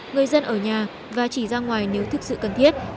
người dân ở nhà và chỉ ra ngoài nếu thực sự cần thiết